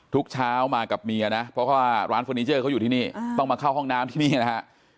ทุกเช้ามากับเมียนะเพราะว่าร้านเฟอร์นิเจอร์เขาอยู่ที่นี่ต้องมาเข้าห้องน้ำที่นี่นะฮะ